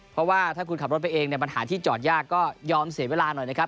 เพราะว่าถ้าคุณขับรถไปเองเนี่ยปัญหาที่จอดยากก็ยอมเสียเวลาหน่อยนะครับ